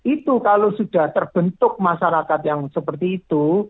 itu kalau sudah terbentuk masyarakat yang seperti itu